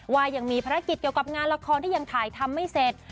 ว่ายังมีภารกิจเกี่ยวกับงานละครที่ยังถ่ายทำไม่เสร็จ